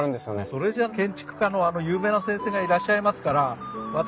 それじゃあ建築家のあの有名な先生がいらっしゃいますから私